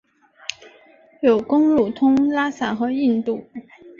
有公路通拉萨和印度。